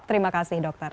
terima kasih dokter